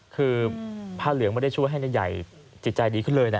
คือผ้าเหลืองไม่ได้ช่วยให้นายใหญ่จิตใจดีขึ้นเลยนะ